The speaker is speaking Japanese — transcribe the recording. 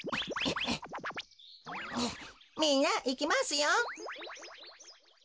みんないきますよ。